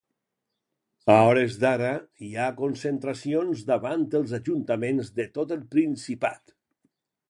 A hores d’ara, hi ha concentracions davant els ajuntaments de tot el Principat.